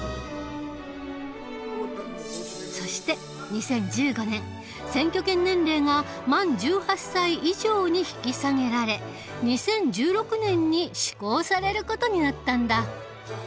そして２０１５年選挙権年齢が満１８歳以上に引き下げられ２０１６年に施行される事になったんだ。